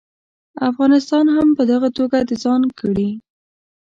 افغانستان هم په دغه توګه د ځان کړي.